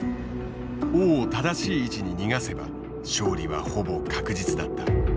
王を正しい位置に逃がせば勝利はほぼ確実だった。